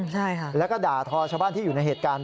ใช่ค่ะแล้วก็ด่าทอชาวบ้านที่อยู่ในเหตุการณ์